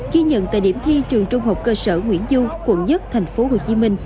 ghi nhận tại điểm thi trường trung học cơ sở nguyễn du quận một tp hcm